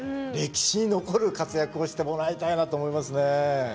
歴史に残る活躍をしてもらいたいなと思いますね。